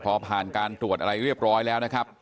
พอผ่านการตรวจอะไรเรียบร้อยแล้วนะครับ